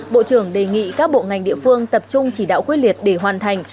bộ trưởng đề nghị các bộ ngành địa phương tập trung chỉ đạo quyết liệt để hoàn thành